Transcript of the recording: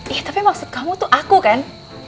ih tapi maksud kamu tuh aku kan